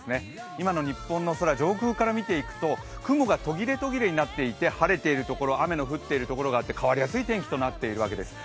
今の日本の空、上空から見ていくと雲が途切れ途切れになっていて晴れているところ、雨が降っているところがあって変わりやすい天気となっているわけです。